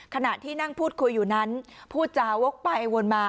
ขณะที่นั่งพูดคุยอยู่นั้นพูดจาวกไปวนมา